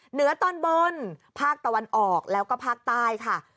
เหนือตอนบนภาคตะวันออกแล้วก็ภาคใต้ค่ะ